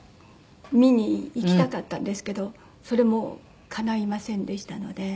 見に行きたかったんですけどそれもかないませんでしたので。